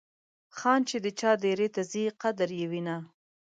خان چې د چا دیرې ته ځي قدر یې وینه.